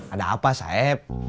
ada apa saeb